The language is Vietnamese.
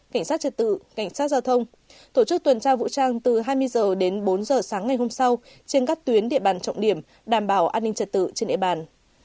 cảnh sát trật tự cảnh sát giao thông tổ chức tuần tra vũ trang từ hai mươi h đến bốn h sáng ngày hôm sau trên các tuyến địa bàn trọng điểm đảm bảo an ninh trật tự trên địa bàn